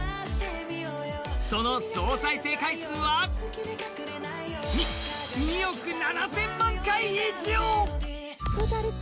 その総再生回数は２億７０００万回以上！